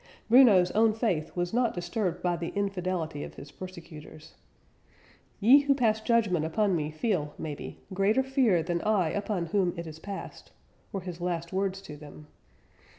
Bruno's own faith was not disturbed by the infidelity of his persecutors. "Ye who pass judgment upon me feel, maybe, greater fear than I upon whom it is passed," were his last words to them.